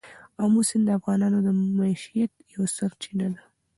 آمو سیند د افغانانو د معیشت یوه سرچینه ده.